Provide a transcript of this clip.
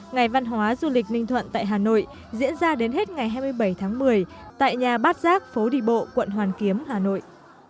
ngày văn hóa du lịch ninh thuận tại hà nội diễn ra đến hết ngày hai mươi bảy tháng một mươi tại nhà bát giác phố đi bộ quận hoàn kiếm hà nội